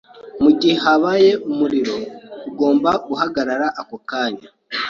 Mugihe habaye umuriro, ugomba guhamagara ako kanya.